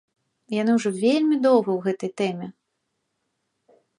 Яны ўжо вельмі доўга ў гэтай тэме.